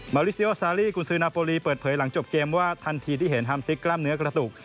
มาริเซียโอซาลีกุญซือนาโปรลีเปิดเผยหลังจบเกมว่าทันทีที่เห็นฮามซิกกล้ามเนื้อกระตุก